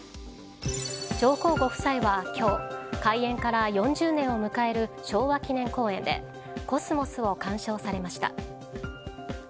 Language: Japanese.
上皇ご夫妻は今日開園から４０年を迎える昭和記念公園でコスモスを鑑賞されました。